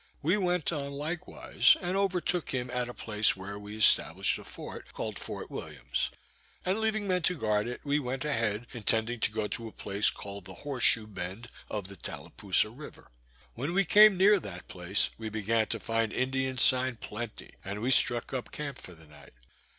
We went on likewise, and overtook him at a place where we established a fort, called Fort Williams, and leaving men to guard it, we went ahead; intending to go to a place called the Horse shoe bend of the Talapoosa river. When we came near that place, we began to find Indian sign plenty, and we struck up camp for the night.